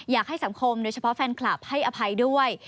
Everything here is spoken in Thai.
อยากให้สังคมโดยเฉพาะแฟนคลับให้อภัยด้วย